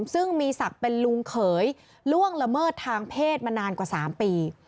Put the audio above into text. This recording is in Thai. ซึ่งมีศักดิ์เป็นลุงเขยล่วงละเมิดทางเพศมานานกว่า๓ปี